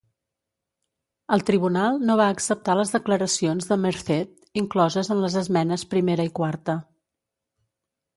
El tribunal no va acceptar les declaracions de Merced incloses en les esmenes primera i quarta.